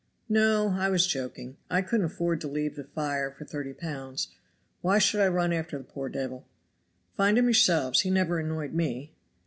"No, I was joking. I couldn't afford to leave the fire for thirty pounds. Why should I run after the poor dayvil? Find him yourselves. He never annoyed me.